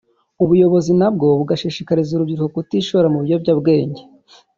ubuyobozi nabwo bugashishikariza urubyiruko kutishora mu biyobyabwenge